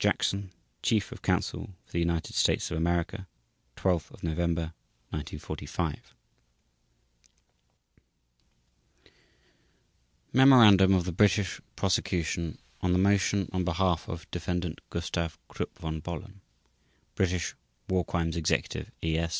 JACKSON Chief of Counsel for the United States of America 12 November 1945 MEMORANDUM OF THE BRITISH PROSECUTION ON THE MOTION ON BEHALF OF DEFENDANT GUSTAV KRUPP VON BOHLEN British War Crimes Executive (E.